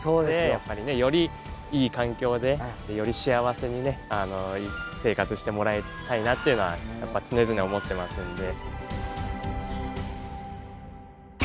やっぱねよりいい環境でより幸せに生活してもらいたいなっていうのはやっぱ常々思ってますんで。